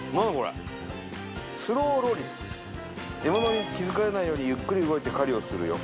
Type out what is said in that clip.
「獲物に気づかれないようにゆっくり動いて狩りをするよ」